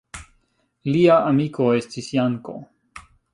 Lia amiko estis Janko.